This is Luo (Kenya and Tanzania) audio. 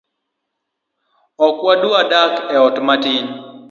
Ok adwa dak e ot matin